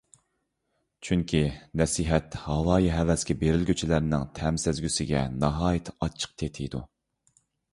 چۈنكى، نەسىھەت ھاۋايى - ھەۋەسكە بېرىلگۈچىلەرنىڭ تەم سەزگۈسىگە ناھايىتى ئاچچىق تېتىيدۇ.